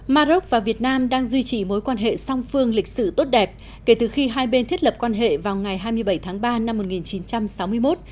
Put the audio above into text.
maroc và việt nam đang duy trì mối quan hệ song phương lịch sử tốt đẹp kể từ khi hai bên thiết lập quan hệ vào ngày hai mươi bảy tháng ba năm một nghìn chín trăm sáu mươi một